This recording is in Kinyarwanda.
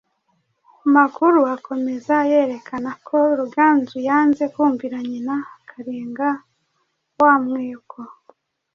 Amakuru akomeza yerekana ko Ruganzu yanze kumvira nyina akarenga wa mweko